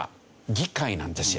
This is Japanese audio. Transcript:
議会なんですよ。